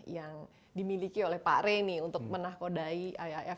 yang dimiliki oleh pak rey nih untuk menakodai iif